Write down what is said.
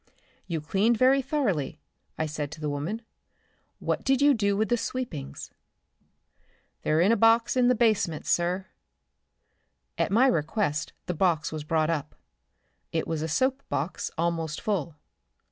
"You cleaned very thoroughly," I said to the woman. "What did you do with the sweepings?" "They're in a box in the basement, sir." At my request the box was brought up. It was a soap box almost full.